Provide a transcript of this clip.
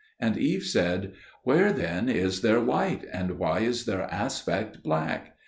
And Eve said, "Where then is their light, and why is their aspect black?"